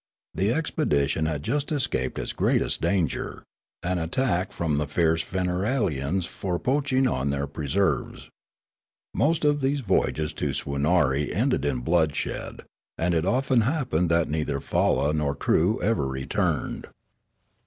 The exped ition had just escaped its greatest danger,— an attack from the fierce Feneralians for poaching on their pre serves. Most of the.se voyages to Swoonarie ended in bloodshed, and it often happened that neither falla nor crew ever returned.